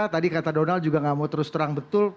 tadi kata donald juga gak mau terus terang betul